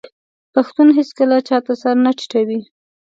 پښتون هیڅکله چا ته سر نه ټیټوي.